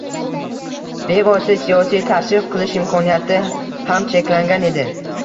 Bevosita siyosiy tashrif qilish imkoniyati ham cheklangan edi.